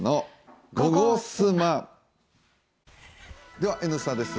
では「Ｎスタ」です。